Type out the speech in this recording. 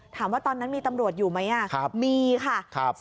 ตอนนั้นมีตำรวจอยู่ไหมมีค่ะ